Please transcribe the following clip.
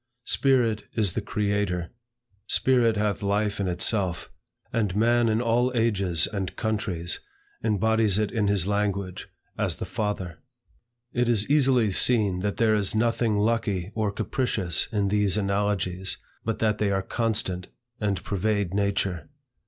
Spirit is the Creator. Spirit hath life in itself. And man in all ages and countries, embodies it in his language, as the FATHER. It is easily seen that there is nothing lucky or capricious in these analogies, but that they are constant, and pervade nature.